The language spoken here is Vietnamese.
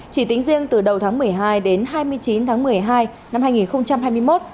chỉ tính riêng từ đầu tháng một mươi hai đến hai mươi chín tháng một mươi hai năm hai nghìn hai mươi một